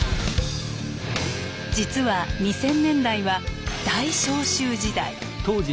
実は２０００年代は「大消臭時代」。